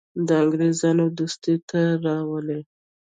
د انګرېزانو دوستي ته راولي.